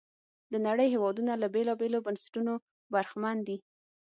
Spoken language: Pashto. د نړۍ هېوادونه له بېلابېلو بنسټونو برخمن دي.